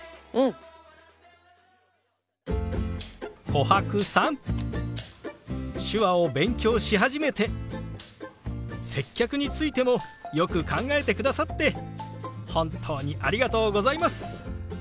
コハクさん手話を勉強し始めて接客についてもよく考えてくださって本当にありがとうございます！